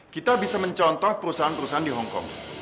kita bisa mencontoh perusahaan perusahaan di hongkong